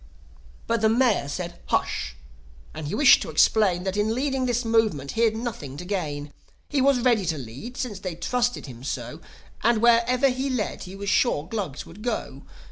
But the Mayor said, Hush! And he wished to explain That in leading this Movement he'd nothing to gain. He was ready to lead, since they trusted him so; And, wherever he led he was sure Glugs would go.